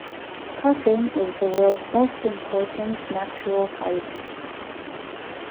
Cotton is the world's most important natural fibre.